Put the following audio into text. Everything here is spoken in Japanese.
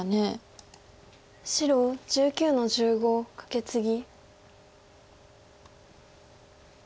白１９の十五カケツギ。